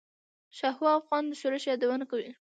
شاهو افغان د شورش یادونه کوي.